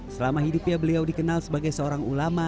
selama hidupnya beliau dikenal sebagai seorang ulama